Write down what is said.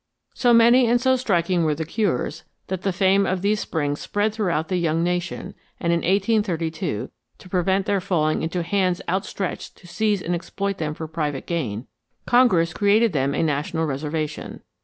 So many and so striking were the cures that the fame of these springs spread throughout the young nation, and in 1832, to prevent their falling into hands outstretched to seize and exploit them for private gain, Congress created them a national reservation.